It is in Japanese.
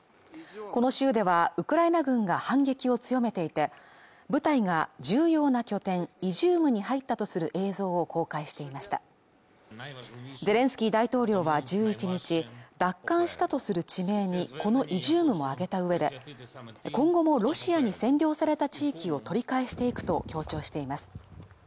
この州ではウクライナ軍が反撃を強めていて部隊が重要な拠点イジュームに入ったとする映像を公開していましたゼレンスキー大統領は１１日奪還したとする地名にこのイジュームも挙げたうえで今後もロシアに占領された地域を取り返していくと強調しています